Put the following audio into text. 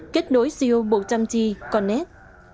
kết nối siêu bộ tâm tì còn nét